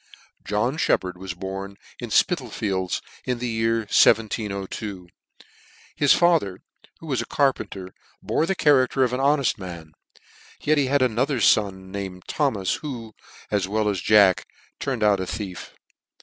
John Sheppard was born in Spital fields in the year 1702. His father, who was a carpenter, bore the character of an honefi man ; yet he had another fon named Thomas, who, as well as jack turned out a thief.